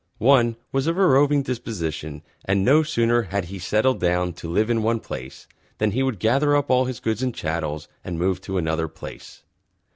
One was of a Roving Disposition, and no sooner had he settled Down to Live in One Place than he would Gather Up all his Goods and Chattels and Move to another Place.